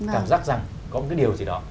cảm giác rằng có một cái điều gì đó